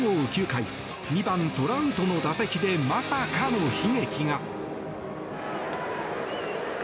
９回２番、トラウトの打席でまさかの悲劇が。